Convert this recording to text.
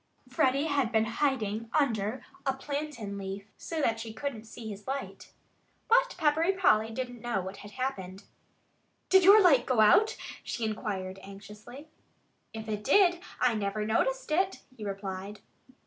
Freddie had been hiding under a plantain leaf, so that she couldn't see his light. But Peppery Polly didn't know what had happened. "Did your light go out?" she inquired anxiously. "If it did, I never noticed it," he replied.